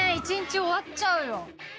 １日終わっちゃうよ。